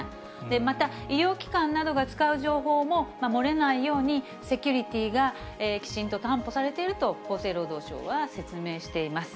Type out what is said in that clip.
また、医療機関などが使う情報も、漏れないように、セキュリティーがきちんと担保されていると厚生労働省は説明しています。